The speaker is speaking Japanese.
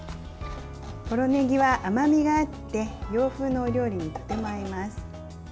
ポロねぎは甘みがあって洋風のお料理にとても合います。